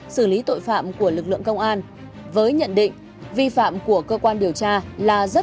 xử lý tội phạm của lực lượng công an với nhận định vi phạm của cơ quan điều tra